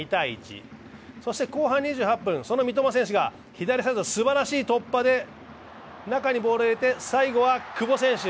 そして後半２８分、その三笘選手がすばらしい突破で中にボールを入れて、最後は久保選手。